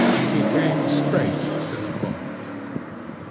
He came straight to the point.